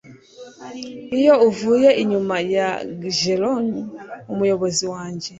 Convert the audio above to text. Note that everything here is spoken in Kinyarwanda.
iyo uvuye inyuma ya Géryon umuyobozi wanjye